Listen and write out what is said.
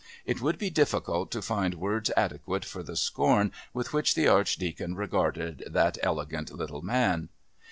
It would be difficult to find words adequate for the scorn with which the Archdeacon regarded that elegant little man.